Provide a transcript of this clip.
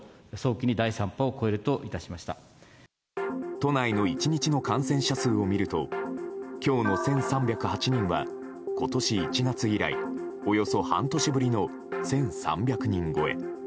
都内の１日の感染者数を見ると今日の１３０８人は今年１月以来、およそ半年ぶりの１３００人超え。